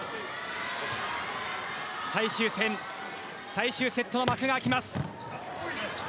最終戦、最終セットの幕が開きます。